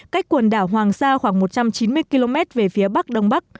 cách quần đảo hoàng sa khoảng một trăm chín mươi km về phía bắc đông bắc